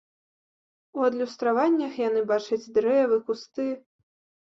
У адлюстраваннях яны бачаць дрэвы, кусты.